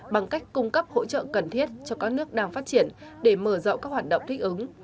bằng cách cung cấp hỗ trợ cần thiết cho các nước đang phát triển để mở rộng các hoạt động thích ứng